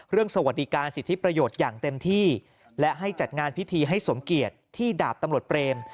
สวัสดิการสิทธิประโยชน์อย่างเต็มที่และให้จัดงานพิธีให้สมเกียจที่ดาบตำรวจเปรม